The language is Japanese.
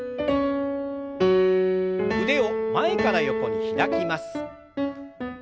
腕を前から横に開きます。